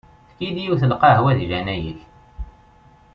Efk-iyi-d yiwet n lqehwa di leɛnaya-k!